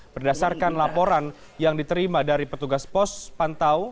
berdasarkan laporan yang diterima dari petugas posko pemantauan